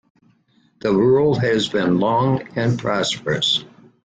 The rule has been long and prosperous.